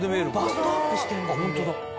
バストアップしてる。